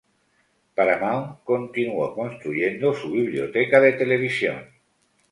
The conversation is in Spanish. Paramount continuó construyendo su biblioteca de televisión.